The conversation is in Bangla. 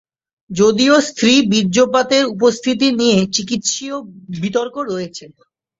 যদিও, স্ত্রী বীর্যপাতের উপস্থিতি নিয়ে চিকিৎসীয় বিতর্ক রয়েছে।